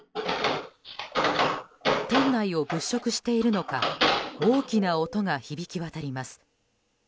店内を物色しているのか大きな音が響き渡ります。